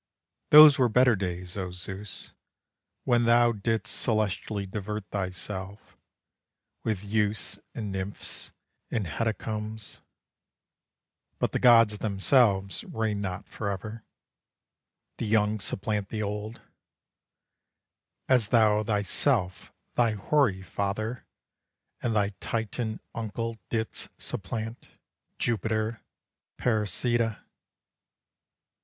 Those were better days, oh Zeus, When thou didst celestially divert thyself With youths and nymphs and hecatombs. But the gods themselves, reign not forever; The young supplant the old, As thou thyself, thy hoary father, And thy Titan uncle didst supplant Jupiter Parricida!